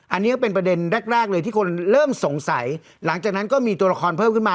อันนี้ก็เป็นประเด็นแรกแรกเลยที่คนเริ่มสงสัยหลังจากนั้นก็มีตัวละครเพิ่มขึ้นมา